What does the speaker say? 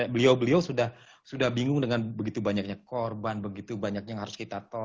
beliau beliau sudah bingung dengan begitu banyaknya korban begitu banyaknya yang harus kita tolak